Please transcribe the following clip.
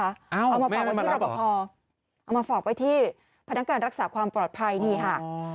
เอ้าแม่ไม่มารับหรอเอามาฝากไว้ที่รักษาความปลอดภัยนี่ค่ะเอามาฝากไว้ที่พนักการรักษาความปลอดภัยนี่ค่ะ